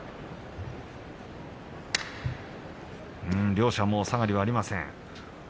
両者、下がりはありません。